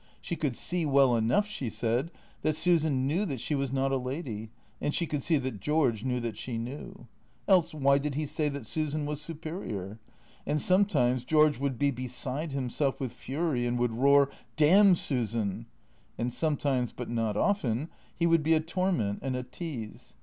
She could see well enough, she said, that Susan knew that she was not a lady, and she could see that George knew that she knew. Else why did he say that Susan was superior? And sometimes George would be beside himself with fury and would roar, " Damn Susan !" And sometimes, but not often, he would be a torment and a tease.